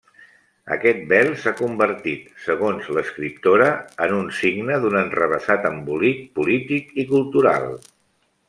Aquest vel s'ha convertit, segons l'escriptora, en un signe d'un enrevessat embolic polític i cultural.